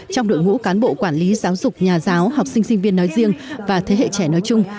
trong đội ngũ cán bộ quản lý giáo dục nhà giáo học sinh sinh viên nói riêng và thế hệ trẻ nói chung